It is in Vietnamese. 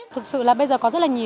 thực sự là bây giờ có rất là nhiều